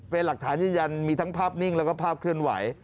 เป็นหลักฐานยืนยันมีทั้งภาพนิ่งแล้วก็ภาพเคลื่อนไหว